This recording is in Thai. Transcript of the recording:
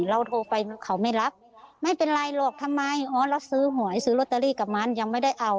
เราโทรไปเขาไม่รับไม่เป็นไรหรอกทำไมอ๋อเราซื้อหวยซื้อลอตเตอรี่กับมันยังไม่ได้เอา